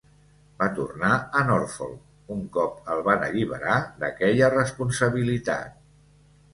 Va tornar a Norfolk un cop el van alliberar d"aquella responsabilitat.